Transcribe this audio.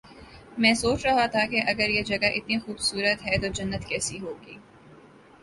میں سوچ رہا تھا کہ اگر یہ جگہ اتنی خوب صورت ہے تو جنت کیسی ہو گی